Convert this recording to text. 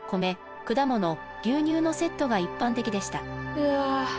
うわ。